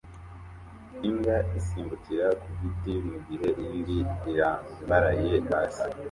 Imbwa isimbukira ku giti mu gihe indi irambaraye hasi